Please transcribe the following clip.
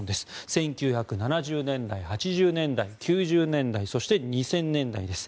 １９７０年代、８０年代９０年代そして２０００年代です。